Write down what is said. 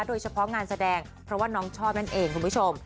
โดยเฉพาะงานแสดงเพราะว่าน้องชอบนั่นเองคุณผู้ชม